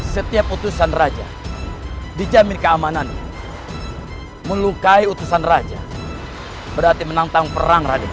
setiap utusan raja dijamin keamanan melukai utusan raja berarti menantang perang radik